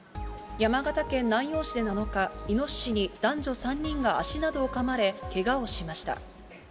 山形県南陽市で７日、イノシシに男女３人が足などをかまれ、けがをしました。